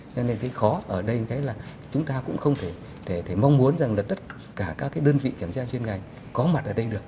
cho nên cái khó ở đây là chúng ta cũng không thể mong muốn tất cả các đơn vị kiểm tra chuyên ngành có mặt ở đây được